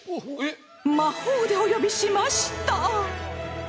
魔法でお呼びしました！